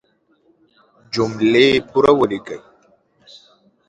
جملې پوره وليکئ!